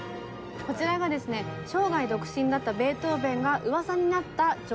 こちらがですね生涯独身だったベートーベンがうわさになった女性たち。